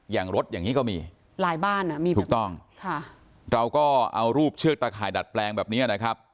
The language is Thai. อย่างรถอย่างนี้ก็มีหลายบ้านอ่ะมีถูกต้องค่ะเราก็เอารูปเชือกตะข่ายดัดแปลงแบบนี้นะครับ